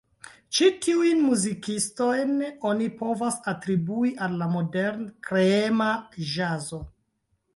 Ĉi tiujn muzikistojn oni povas atribui al la modern-kreema ĵazo.